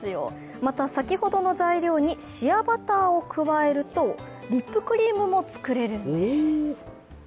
また、先ほどの材料にシアバターを加えると、リップクリームも作れるんです。